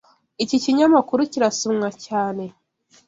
Iki kinyamakuru kirasomwa cyane.